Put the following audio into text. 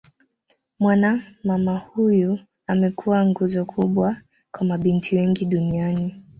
Mwana mama huyu amekuwa nguzo kubwa kwa mabinti wengi duniani